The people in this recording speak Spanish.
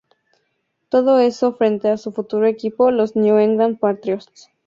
Todo esto frente a su futuro equipo; los New England Patriots.